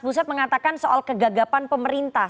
buset mengatakan soal kegagapan pemerintah